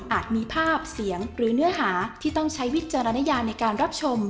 มีภาพเสียงหรือเนื้อหาที่ต้องใช้วิจารณญาในการรับชม